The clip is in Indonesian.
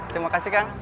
terima kasih kang